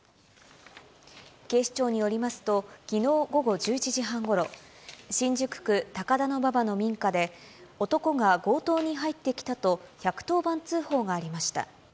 警視庁によりますと、きのう午後１１時半ごろ、新宿区高田馬場の民家で、男が強盗に入ってきたと、１１０番通報がありました。